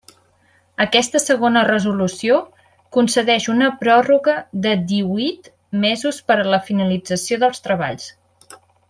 Aquesta segona resolució concedeix una pròrroga de díhuit mesos per a la finalització dels treballs.